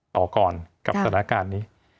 ต่อก่อนกับทศนาการนี้